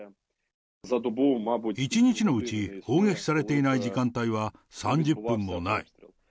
一日のうち砲撃されていない時間帯は３０分もない。